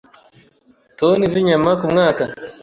toni Z’inyama ku mwaka,